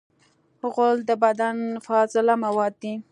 غول د بدن فاضله مواد دي.